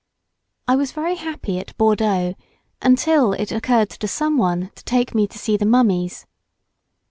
I was very happy at Bordeaux until it occurred to some one to take me to see the mummies.